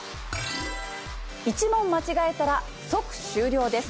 １問間違えたら即終了です